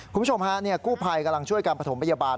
คุณผู้ชมฮะกู้ภัยกำลังช่วยการประถมพยาบาล